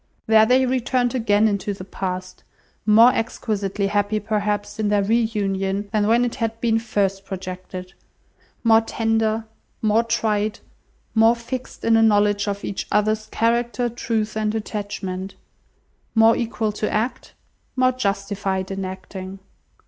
There they returned again into the past, more exquisitely happy, perhaps, in their re union, than when it had been first projected; more tender, more tried, more fixed in a knowledge of each other's character, truth, and attachment; more equal to act, more justified in acting.